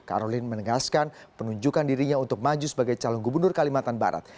karolin menegaskan penunjukan dirinya untuk maju sebagai calon gubernur kalimantan barat